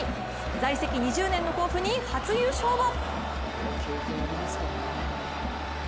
在籍２０年の甲府に初優勝を。